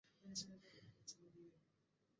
আনন্দময়ী কহিলেন, তা, বেশ তো, নিয়ে যাবে, একটু বোসো।